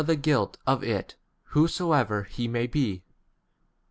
the guilt [of it], whosoever i he may be.